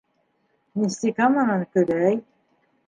Нефтекаманан - көҙәй;